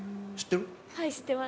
はい、知ってます。